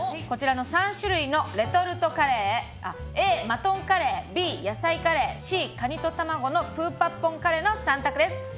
こちらの３種類のレトルトカレーＡ、マトンカレーＢ、野菜カレーＣ、カニとたまごのプーパッポンカレーの３択です。